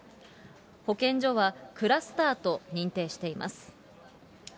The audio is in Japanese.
保健所は、クラスターと認定しています。